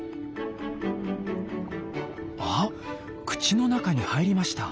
あ口の中に入りました。